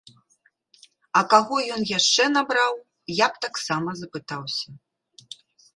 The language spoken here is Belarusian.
А каго ён яшчэ набраў, я б таксама запытаўся.